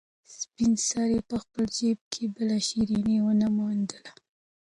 سپین سرې په خپل جېب کې بله شيرني ونه موندله.